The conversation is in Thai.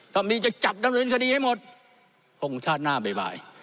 ถ้ามีจะจับดำเนินคดีให้หมดคงชาติหน้าบ่าย